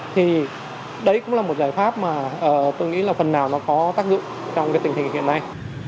thì đấy cũng là một giải pháp mà tôi nghĩ là phần nào nó có tác dụng trong cái tình hình hiện nay